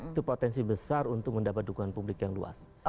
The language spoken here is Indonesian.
itu potensi besar untuk mendapat dukungan publik yang luas